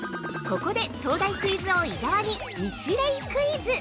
◆ここで、東大クイズ王・伊沢にニチレイクイズ！